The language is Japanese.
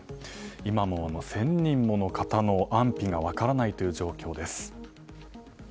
今も１０００人もの方の安否が分からないという状況です。